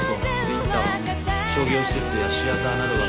商業施設やシアターなどが入る